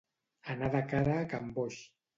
Anar de cara a can Boix.